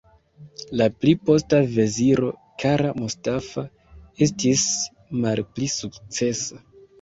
La pli posta veziro "Kara Mustafa" estis malpli sukcesa.